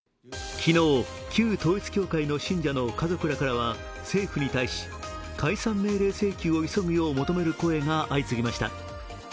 昨日、旧統一教会の信者の家族らからは政府に対し解散命令請求を急ぐよう求める声が相次ぎました。